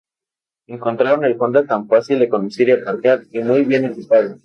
Encontraron el Honda tan fácil de conducir y aparcar y 'muy bien equipado'.